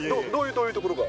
どういうところが。